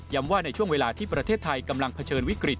ว่าในช่วงเวลาที่ประเทศไทยกำลังเผชิญวิกฤต